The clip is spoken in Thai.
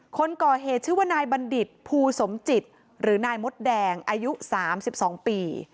คนก่อเหตุชื่อว่านายบัณฑิตภูสมจิตหรือนายมดแดงอายุ๓๒ปี